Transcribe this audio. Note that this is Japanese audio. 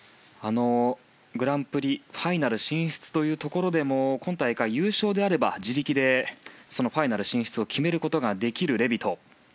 グランプリファイナル進出というところでも今大会優勝なら自力でファイナル進出を決めるレビト。